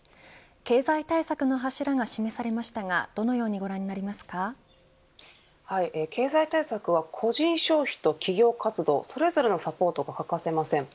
経済対策の柱が示されましたがどうご覧になりますか。経済対策は個人消費と企業活動それぞれのサポートが欠かせません。